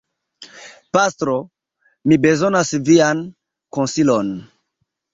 Pastro, mi bezonas vian konsilon.